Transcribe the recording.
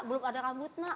belum ada rambut nak